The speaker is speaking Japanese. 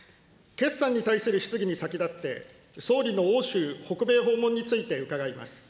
決算に対する質疑に先立って、総理の欧州、北米訪問について伺います。